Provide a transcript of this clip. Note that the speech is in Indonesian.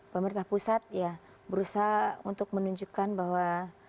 pemerintah pusat ya berusaha untuk menunjukkan bahwa